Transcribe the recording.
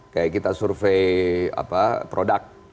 kayak kita survei produk